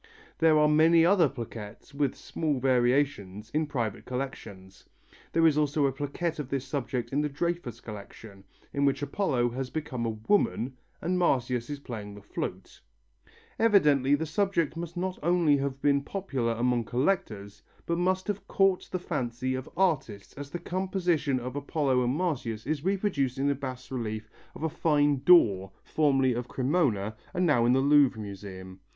There are many other plaquettes, with small variations, in private collections. There is also a plaquette of this subject in the Dreyfus collection, in which Apollo has become a woman and Marsyas is playing the flute. Evidently the subject must not only have been popular among collectors but must have caught the fancy of artists as the composition of Apollo and Marsyas is reproduced in a bas relief of a fine door formerly in Cremona and now in the Louvre Museum.